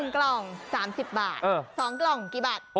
๑กล่อง๓๐บาท๒กล่องกี่บาท